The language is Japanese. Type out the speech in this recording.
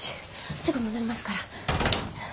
すぐ戻りますから。